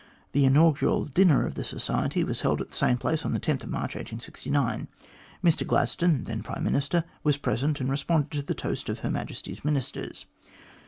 The inaugural dinner of the Society was held at the same place on March 10, 1869. Mr Gladstone, then Prime Minister, was present, and responded to the toast of "Her Majesty's Ministers."